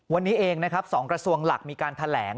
วันนี้เองนะครับ๒กระทรวงหลักมีการแถลง